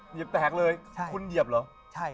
เหยียบแตกเลยคุณเหยียบเหรอ